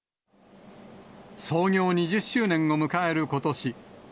創業２０周年を迎えることし。